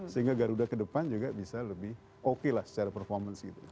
sehingga garuda ke depan juga bisa lebih oke lah secara performance gitu